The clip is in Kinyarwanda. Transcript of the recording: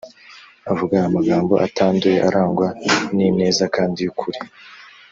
avuga amagambo atanduye arangwa n ineza kandi y ukuri